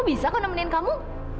bisa kok nemenin kamu